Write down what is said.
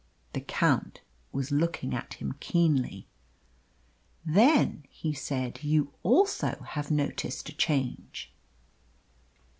The Count was looking at him keenly. "Then," he said, "you also have noticed a change."